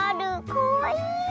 かわいい！